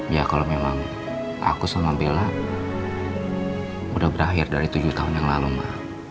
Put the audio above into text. ya kalau memang aku sama bella udah berakhir dari tujuh tahun yang lalu mah